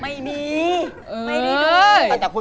ไม่มีไม่ดีด้วย